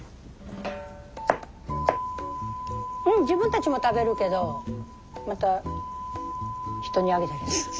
自分たちも食べるけどまた人にあげたりする。